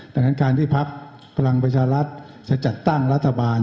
ดังนั้นการที่พักพลังประชารัฐจะจัดตั้งรัฐบาล